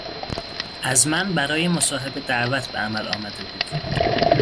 از من برای مصاحبه دعوت به عمل آمده بود.